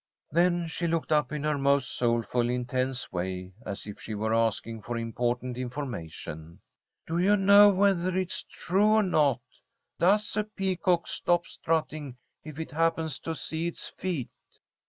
Then she looked up in her most soulful, intense way, as if she were asking for important information. "Do you know whether it's true or not? Does a peacock stop strutting if it happens to see its feet?